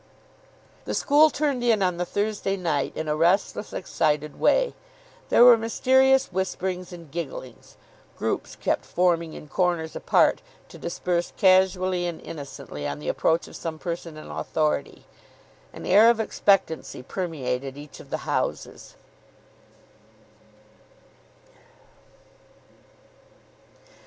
The school turned in on the Thursday night in a restless, excited way. There were mysterious whisperings and gigglings. Groups kept forming in corners apart, to disperse casually and innocently on the approach of some person in authority. An air of expectancy permeated each of the houses.